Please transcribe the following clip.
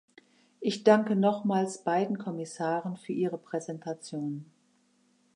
Ich danke nochmals beiden Kommissaren für ihre Präsentation.